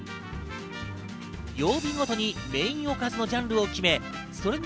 曜日ごとにメインおかずのジャンルを決め、それに